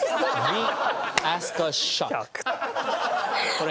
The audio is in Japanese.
これ。